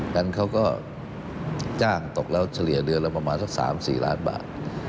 งั้นเขาก็จ้างตกแล้วเฉลี่ยเดือนละประมาณสัก๓๔ล้านบาท